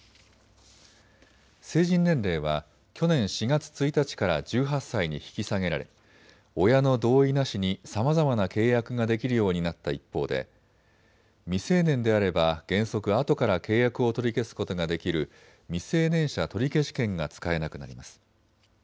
成人年齢は去年４月１日から１８歳に引き下げられ親の同意なしにさまざまな契約ができるようになった一方で未成年であれば、原則あとから契約を取り消すことができる未成年者取消権が使えなくなります。